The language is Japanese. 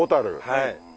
はい。